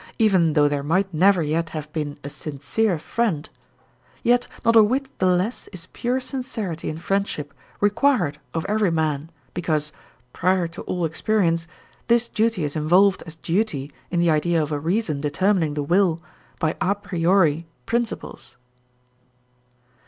even though there might never yet have been a sincere friend, yet not a whit the less is pure sincerity in friendship required of every man, because, prior to all experience, this duty is involved as duty in the idea of a reason determining the will by a priori principles.